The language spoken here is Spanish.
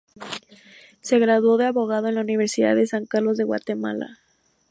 Se graduó de abogado en la Universidad de San Carlos de Guatemala.